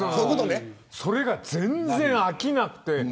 それが全然飽きなくて。